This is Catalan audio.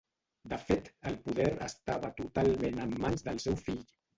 De fet el poder estava totalment en mans del seu fill.